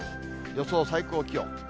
予想最高気温。